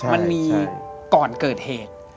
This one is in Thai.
มันมีก่อนเกิดเหตุ